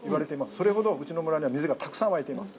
それほどうちの村には水がたくさん湧いています。